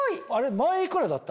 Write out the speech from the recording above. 前幾らだった？